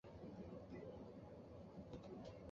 毋丘俭事后被诛灭三族。